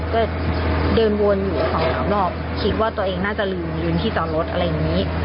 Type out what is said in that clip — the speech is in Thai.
ก็เดินวนอยู่สองสามรอบคิดว่าตัวเองน่าจะลืมยืนที่จอดรถอะไรอย่างนี้